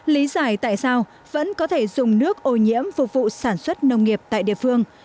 lý giải tại sao vẫn có thể dùng nước ô nhiễm phục vụ sản xuất nông nghiệp tại địa phương